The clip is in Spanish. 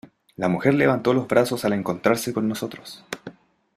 la mujer levantó los brazos al encontrarse con nosotros: